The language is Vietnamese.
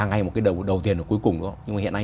ngay một cái đầu tiền cuối cùng nhưng mà hiện nay